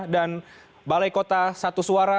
dan balai kota satu suara